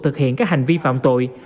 thực hiện các hành vi phạm tội